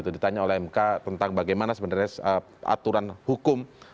ditanya oleh mk tentang bagaimana sebenarnya aturan hukum